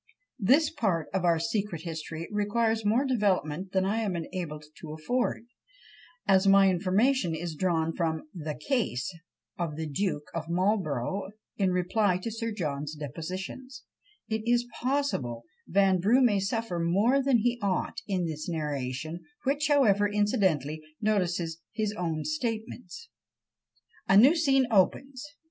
This part of our secret history requires more development than I am enabled to afford: as my information is drawn from "the Case" of the Duke of Marlborough in reply to Sir John's depositions, it is possible Vanbrugh may suffer more than he ought in this narration; which, however, incidentally notices his own statements. A new scene opens!